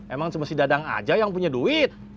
emang cuma si dadang aja yang punya duit